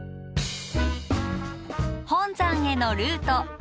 本山へのルート。